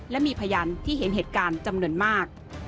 และมีพยานที่เห็นเหตุการณ์จำนวนมาก